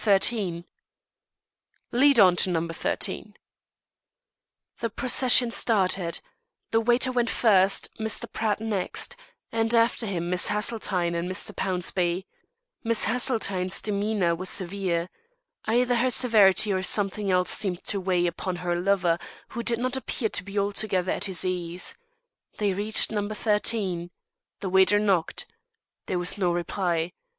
13." "Lead on to No. 13." The procession started. The waiter went first, Mr. Pratt next, and after him Miss Haseltine and Mr. Pownceby. Miss Haseltine's demeanour was severe. Either her severity or something else seemed to weigh upon her lover, who did not appear to be altogether at his ease. They reached No. 13. The waiter knocked. There was no reply.